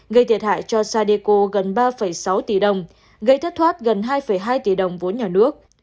gây thiệt hại cho sadeco gần ba sáu tỷ đồng gây thất thoát gần hai hai tỷ đồng vốn nhà nước